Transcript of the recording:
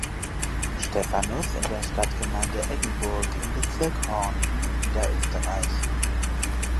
Stephanus in der Stadtgemeinde Eggenburg im Bezirk Horn in Niederösterreich.